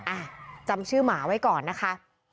อ่ะจำชื่อหมาไว้ก่อนนะคะ